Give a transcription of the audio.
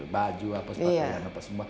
baju apa sepatu